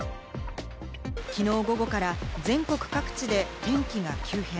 きのう午後から全国各地で天気が急変。